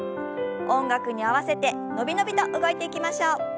音楽に合わせて伸び伸びと動いていきましょう。